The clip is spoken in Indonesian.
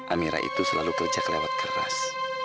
amirah itu selalu kerja kelewat keras